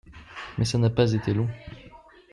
Mais ça n'a pas été long.